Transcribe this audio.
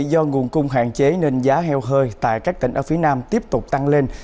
do nguồn cung hạn chế nên giá heo hơi tại các tỉnh ở phía nam tiếp tục tăng lên